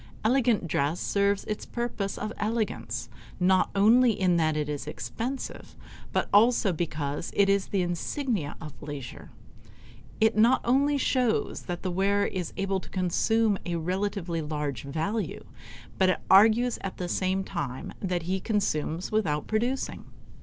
Elegant dress serves its purpose of elegance not only in that it is expensive, but also because it is the insignia of leisure. It not only shows that the wearer is able to consume a relatively large value, but it argues at the same time that he consumes without producing.